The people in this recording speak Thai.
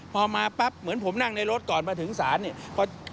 พอมาปั๊บเหมือนผมนั่งในรถก่อนมาถึงศาลเนี่ย